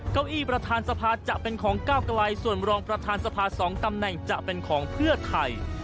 เก้าอี้ประธานสภาจะเป็นของก้าวไกลส่วนรองประธานสภา๒ตำแหน่งจะเป็นของเพื่อไทย